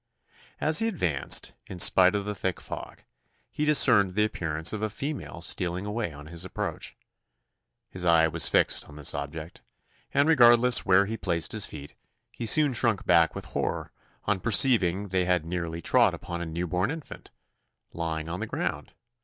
As he advanced, in spite of the thick fog, he discerned the appearance of a female stealing away on his approach. His eye was fixed on this object; and regardless where he placed his feet, he soon shrunk back with horror, on perceiving they had nearly trod upon a new born infant, lying on the ground!